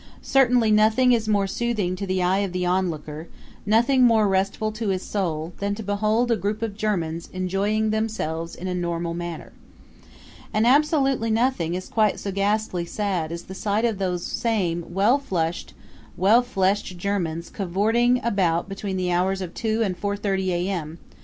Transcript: Certainly nothing is more soothing to the eye of the onlooker, nothing more restful to his soul, than to behold a group of Germans enjoying themselves in a normal manner. And absolutely nothing is quite so ghastly sad as the sight of those same well flushed, well fleshed Germans cavorting about between the hours of two and four thirty A.M.